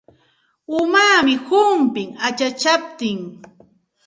Umaami humpin achachaptin.